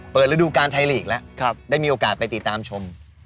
ระดูการไทยลีกแล้วได้มีโอกาสไปติดตามชม